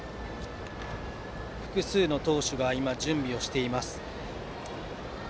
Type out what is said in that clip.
複数の投手が準備をしています。